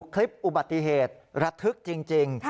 คลิปอุบัติเหตุระทึกจริง